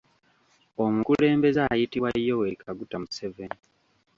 Omukulembeze ayitibwa Yoweri Kaguta Museven.